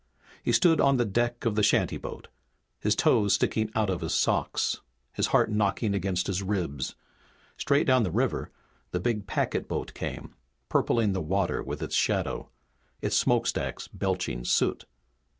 He stood on the deck of the shantyboat, his toes sticking out of his socks, his heart knocking against his ribs. Straight down the river the big packet boat came, purpling the water with its shadow, its smokestacks belching soot.